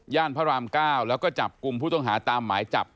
พระราม๙แล้วก็จับกลุ่มผู้ต้องหาตามหมายจับ